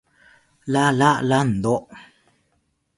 ラ・ラ・ランド